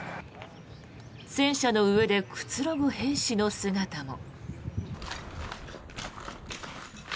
戦車の上でくつろぐ兵士の姿も。